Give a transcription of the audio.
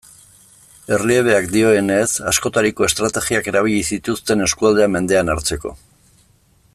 Erliebeak dioenez, askotariko estrategiak erabili zituzten eskualdea mendean hartzeko.